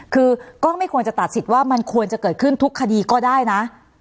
คือก็ไม่ควรจะตัดสิทธิ์ว่ามันควรจะเกิดขึ้นทุกคดีก็ได้นะ